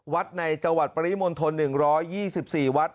วัดในจังหวัดปริมณฑล๑๒๔วัด